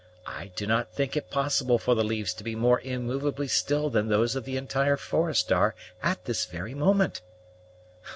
I do not think it possible for the leaves to be more immovably still than those of the entire forest are at this very moment."